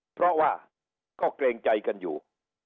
เพราะว่าก็เกรงใจกันอยู่